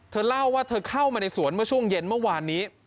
เล่าว่าเธอเข้ามาในสวนเมื่อช่วงเย็นเมื่อวานนี้